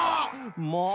もう！